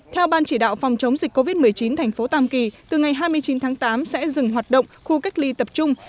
theo ban chỉ đạo phòng chống dịch covid một mươi chín thành phố tam kỳ từ ngày hai mươi chín tháng tám sẽ dừng hoạt động khu cách ly tập trung